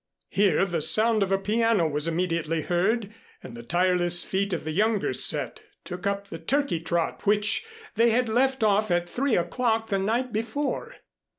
Here the sound of a piano was immediately heard and the tireless feet of the younger set took up the Turkey Trot where they had left off at three o'clock the night before.